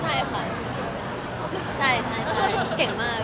ใช่ค่ะใช่ค่ะเก่งมากค่ะ